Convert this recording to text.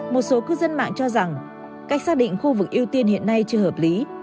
một số cư dân mạng cho rằng cách xác định khu vực ưu tiên hiện nay chưa hợp lý